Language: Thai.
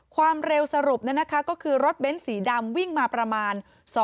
ความเร็วสรุปก็คือรถเบ้นสีดำวิ่งมาประมาณ